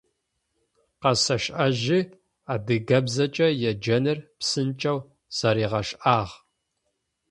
Къэсэшӏэжьы, адыгабзэкӏэ еджэныр псынкӏэу зэригъэшӏагъ.